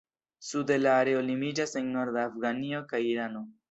Sude la areo limiĝas en norda Afganio kaj Irano.